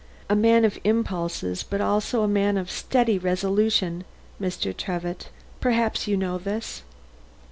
A man of impulses, but also a man of steady resolution, Mr. Trevitt. Perhaps you know this?"